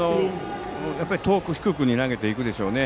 遠く低くに投げていくでしょうね。